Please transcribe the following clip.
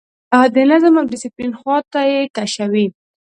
د نظم او ډسپلین خواته یې کشوي.